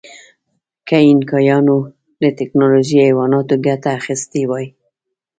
که اینکایانو له ټکنالوژۍ او حیواناتو ګټه اخیستې وای.